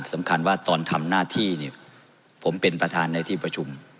สำคัญว่าตอนทำหน้าที่เนี่ยผมเป็นประธานในที่ประชุม